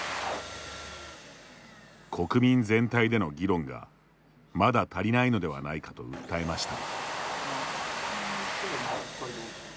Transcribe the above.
国民全体での議論がまだ足りないのではないかと訴えました。